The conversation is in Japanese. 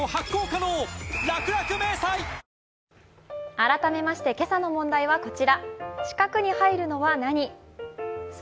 改めまして、今朝の問題はこちらです。